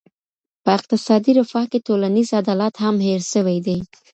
په اقتصادي رفاه کي ټولنیز عدالت هم هېر سوی دی.